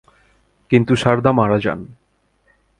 কিন্তু সারদা মারা যান।